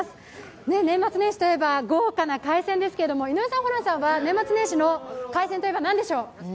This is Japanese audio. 年末年始といえば豪華な海鮮ですが井上さん、ホランさんは年末年始の海鮮といえば何でしょう？